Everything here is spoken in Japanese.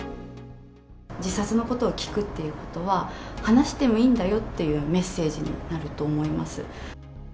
自殺のことを聞くっていうことは、話してもいいんだよっていうメッセージになると思います。